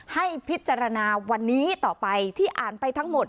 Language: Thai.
ให้พิจารณาวันนี้ต่อไปที่อ่านไปทั้งหมด